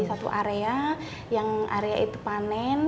satu area yang area itu panen